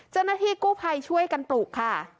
เจ้าหน้าที่กู้ภัยช่วยกันปลุกค่ะ